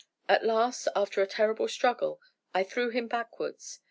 At last, after a terrible struggle, I threw him off backwards.